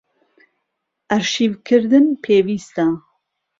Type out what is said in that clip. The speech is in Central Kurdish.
ئەرشیڤکردن پێویستە.